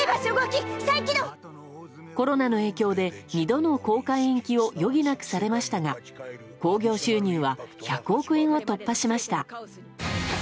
コロナの影響で２度の公開延期を余儀なくされましたが興行収入は１００億円を突破しました。